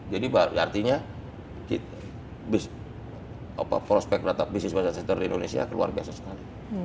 jadi artinya bisnis data center di indonesia itu luar biasa sekali